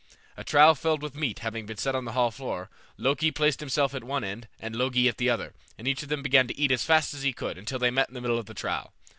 A trough filled with meat having been set on the hall floor, Loki placed himself at one end, and Logi at the other, and each of them began to eat as fast as he could, until they met in the middle of the trough.